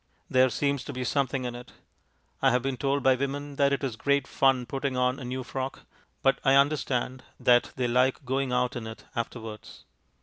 There seems to be something in it. I have been told by women that it is great fun putting on a new frock, but I understand that they like going out in it afterwards.